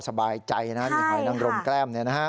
สบายใจนะมีหอยนังรมแก้ม